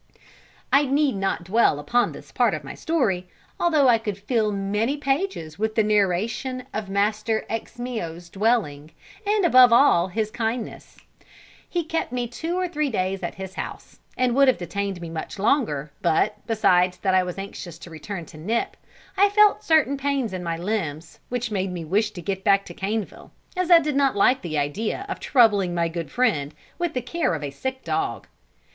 I need not dwell upon this part of my story, although I could fill many pages with the narration of Master Ximio's dwelling, and above all of his kindness; he kept me two or three days at his house, and would have detained me much longer, but, besides that I was anxious to return to Nip, I felt certain pains in my limbs, which made me wish to get back to Caneville, as I did not like the idea of troubling my good friend with the care of a sick dog.